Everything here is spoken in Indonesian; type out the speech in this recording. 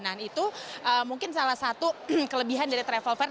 nah itu mungkin salah satu kelebihan dari travel fair